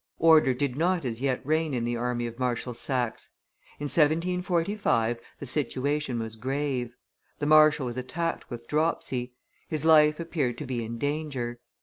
Order did not as yet reign in the army of Marshal Saxe. In 1745, the situation was grave; the marshal was attacked with dropsy; his life appeared to be in danger.